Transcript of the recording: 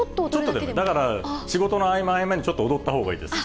だから仕事の合間、合間にちょっと踊ったほうがいいです。